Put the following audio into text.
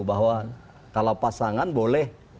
bahwa kalau pasangan boleh